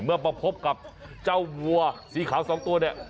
มาพบกับเจ้าวัวสีขาวสองตัวเนี่ย